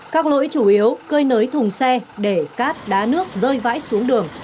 các lỗi chủ yếu cơi nới thùng xe để cát đá nước rơi vãi xuống đường